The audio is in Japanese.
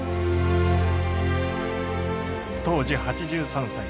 当時８３歳。